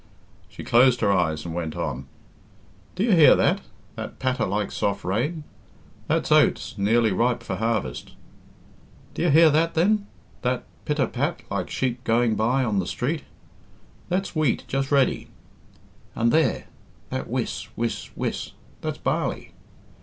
She closed her eyes and went on: "Do you hear that that patter like soft rain? That's oats nearly ripe for harvest. Do you hear that, then that pit a pat, like sheep going by on the street? That's wheat, just ready. And there that whiss, whiss, whiss? That's barley."